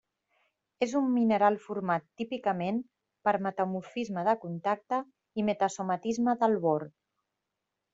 És un mineral format típicament per metamorfisme de contacte i metasomatisme del bor.